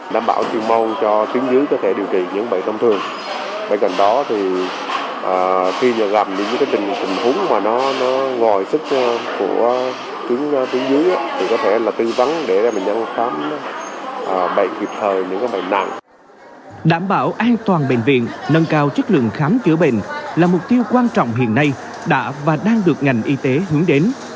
đảm bảo an toàn bệnh viện nâng cao chất lượng khám chữa bệnh là mục tiêu quan trọng hiện nay đã và đang được ngành y tế hướng đến